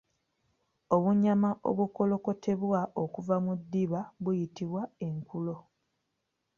Obunyama obukolokotebwa okuva mu ddiba buyitibwa enkulo